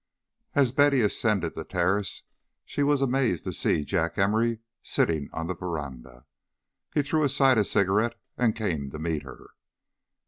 XIV As Betty ascended the terrace, she was amazed to see Jack Emory sitting on the veranda. He threw aside his cigarette and came to meet her.